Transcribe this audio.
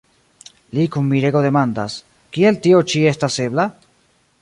Li kun mirego demandas: « Kiel tio ĉi estas ebla?"